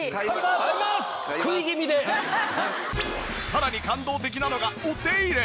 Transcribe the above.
さらに感動的なのがお手入れ。